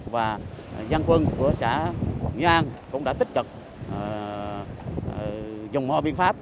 và dân quân của xã nghĩa an cũng đã tích cực dùng mô biên pháp